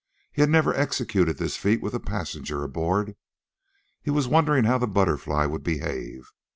He had never executed this feat with a passenger aboard. He was wondering how the BUTTERFLY would behave.